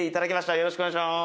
よろしくお願いします。